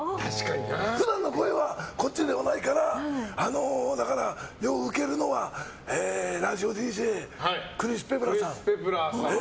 普段の声はこっちではないからようウケるのはラジオＤＪクリス・ペプラーさん。